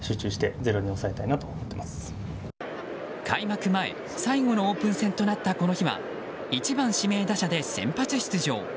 開幕前、最後のオープン戦となったこの日は１番指名打者で先発出場。